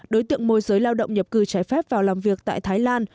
đối tượng môi giới lao động nhập cư trái phép vào làm việc tại thái lan